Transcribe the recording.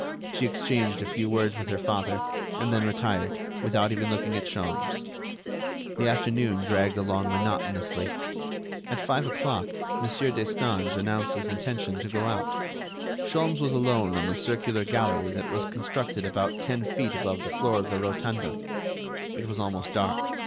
She exchanged a few words with her father, and then retired, without even looking at Sholmes. The afternoon dragged along monotonously. At five o'clock Mon. Destange announced his intention to go out. Sholmes was alone on the circular gallery that was constructed about ten feet above the floor of the rotunda. It was almost dark.